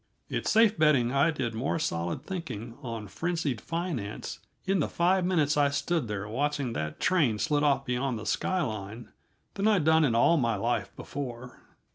It's safe betting that I did more solid thinking on frenzied finance in the five minutes I stood there watching that train slid off beyond the sky line than I'd done in all my life before.